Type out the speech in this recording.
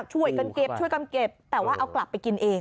ช่วยกันเก็บช่วยกันเก็บแต่ว่าเอากลับไปกินเอง